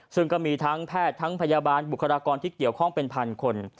ซึ่งก็มีทั้งแพทย์ทั้งพยาบาลบุคลากรที่เกี่ยวข้องเป็นพันคน